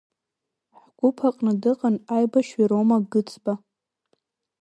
Ҳгәыԥ аҟны дыҟан аибашьҩы Рома Гыцба.